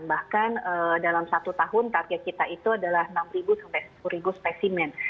bahkan dalam satu tahun target kita itu adalah enam sampai sepuluh spesimen